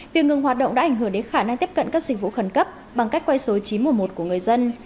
việc ngừng hoạt động đã ảnh hưởng đến khả năng tiếp cận các dịch vụ khẩn cấp bằng cách quay số chí mùa một của người dân